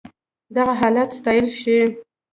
دغه حالت ستايل شي.